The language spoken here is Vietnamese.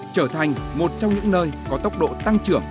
trở thành một trong những nơi có tốc độ tăng trưởng